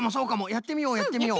やってみようやってみよう。